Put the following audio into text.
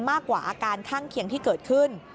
มากกว่าอาการข้างเคียงที่เกิดขึ้น